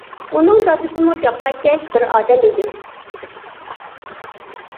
ئۇنىڭ دادىسىمۇ جاپاكەش بىر ئادەم ئىدى.